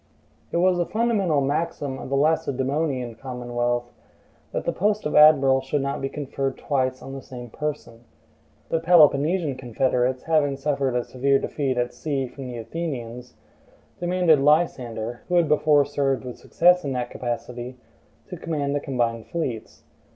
It was a fundamental maxim of the Lacedaemonian commonwealth, that the post of admiral should not be conferred twice on the same person. The Peloponnesian confederates, having suffered a severe defeat at sea from the Athenians, demanded Lysander, who had before served with success in that capacity, to command the combined fleets.